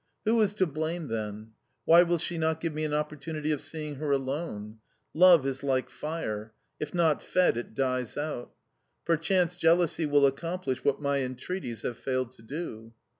Who is to blame, then? Why will she not give me an opportunity of seeing her alone? Love is like fire if not fed it dies out. Perchance, jealousy will accomplish what my entreaties have failed to do.